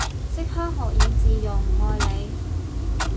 即刻學以致用，愛你